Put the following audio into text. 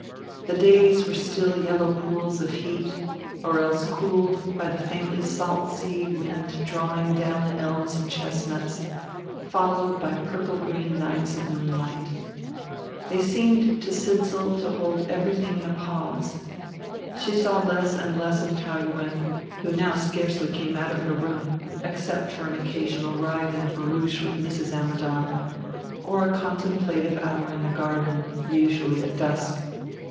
The days were still yellow pools of heat, or else cooled by the faintly salt sea wind drawing down the elms and chestnuts, followed by purple green nights of moonlight. They seemed to Sidsall to hold everything in a pause. She saw less and less of Taou Yuen who now scarcely came out of her room except for an occasional ride in the barouche with Mrs. Ammidon or a contemplative hour in the garden, usually at dusk.